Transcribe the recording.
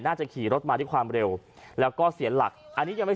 ขี่รถมาด้วยความเร็วแล้วก็เสียหลักอันนี้ยังไม่